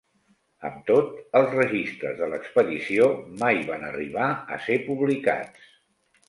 Amb tot, els registres de l'expedició mai van arribar a ser publicats.